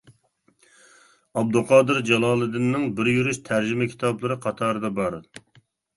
ئابدۇقادىر جالالىدىننىڭ بىر يۈرۈش تەرجىمە كىتابلىرى قاتارىدا بار.